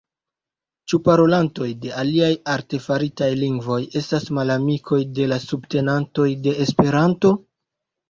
Ĉu parolantoj de aliaj artefaritaj lingvoj estas malamikoj de la subtenantoj de Esperanto?